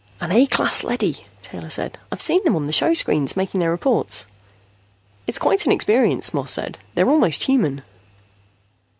"An A class leady," Taylor said. "I've seen them on the showscreens, making their reports." "It's quite an experience," Moss said. "They're almost human."